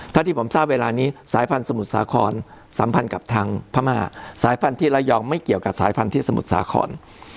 ที่ผมทราบเวลานี้สายพันธุ์สมุทรสาครสัมพันธ์กับทางพม่าสายพันธุ์ระยองไม่เกี่ยวกับสายพันธุ์ที่สมุทรสาคร